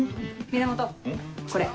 源これ。